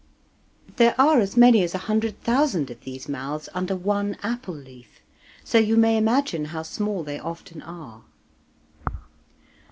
There are as many as a hundred thousand of these mouths under one apple leaf, so you may imagine how small they often are.